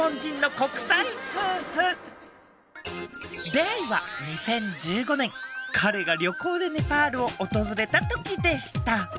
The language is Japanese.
出会いは２０１５年彼が旅行でネパールを訪れた時でした。